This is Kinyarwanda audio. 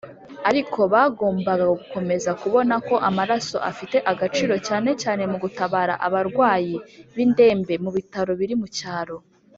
Ariko bagombaga gukomeza kubona ko amaraso afite agaciro cyane cyane mu gutabara abarwayi b’indembe mu bitaro biri mu cyaro.